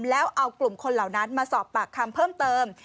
แล้วเอากลุ่มคนเหล่านั้นมาสอบปากคำเพิ่มเติม